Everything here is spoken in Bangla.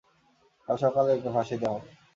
কাল সকালেই ওকে ফাঁসি দেয়া হবে।